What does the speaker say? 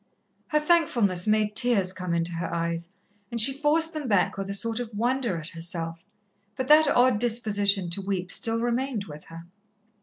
Her thankfulness made tears come into her eyes, and she forced them back with a sort of wonder at herself, but that odd disposition to weep still remained with her.